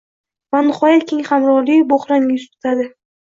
va nihoyat, keng qamrovli bo‘hronga yuz tutadi.